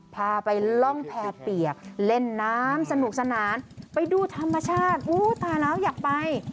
พาไปล่องแพรเปียกเล่นน้ำสนุกสนานไปดูธรรมชาติอู้ตายแล้วอยากไป